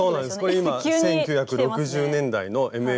これ今１９６０年代のＭＡ−１。